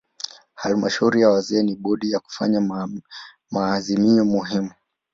Halmashauri ya wazee ni bodi ya kufanya maazimio muhimu.